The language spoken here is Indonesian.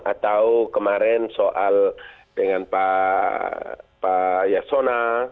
atau kemarin soal dengan pak yasona